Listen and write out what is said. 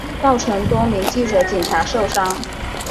造成多名记者警察受伤